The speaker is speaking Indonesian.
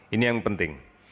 ini yang penting